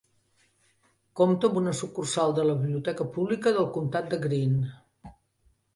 Compta amb una sucursal de la biblioteca pública del comtat de Greene.